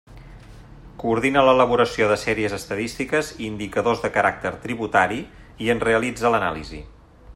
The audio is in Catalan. Coordina l'elaboració de sèries estadístiques i indicadors de caràcter tributari, i en realitza l'anàlisi.